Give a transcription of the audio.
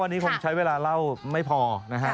วันนี้คงใช้เวลาเล่าไม่พอนะฮะ